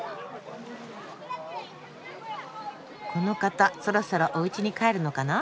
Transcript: この方そろそろおうちに帰るのかな？